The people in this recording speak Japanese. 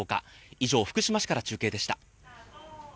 以上、福島市から中継でした。